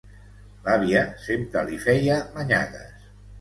L'àvia sempre li feia manyagues.